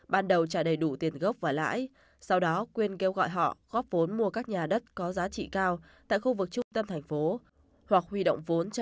bà ntb ngụ phường hiệp bình chánh thành phố thủ đức